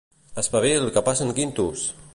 Espavil, que passen quintos!